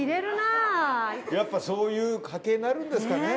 やっぱそういう家系になるんですかね。